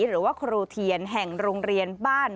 หรือว่าครูเทียนแห่งโรงเรียนบ้าน